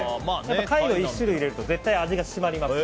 貝を１種類入れると絶対、味が締まります。